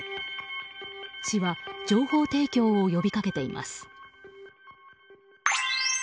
市は情報提供を呼びかけています。